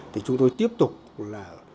thì chúng tôi tiếp tục là